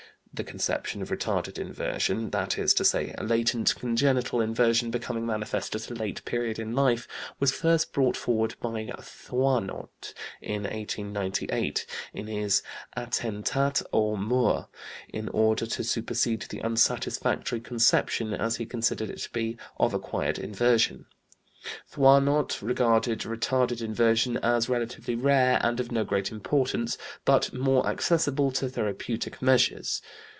The conception of retarded inversion, that is to say a latent congenital inversion becoming manifest at a late period in life, was first brought forward by Thoinot in 1898 in his Attentats aux Moeurs, in order to supersede the unsatisfactory conception, as he considered it to be, of acquired inversion. Thoinot regarded retarded inversion as relatively rare and of no great importance but more accessible to therapeutic measures.